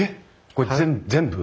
これぜ全部？